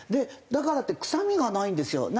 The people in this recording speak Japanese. だからって臭みがないんですよ。